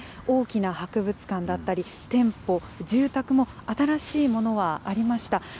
大きな博物館だったり、店舗、住宅も新しいものはありました。